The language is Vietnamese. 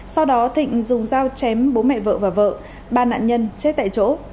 sau đó thịnh dùng dao chém bố mẹ vợ và vợ ba nạn nhân chết tại chỗ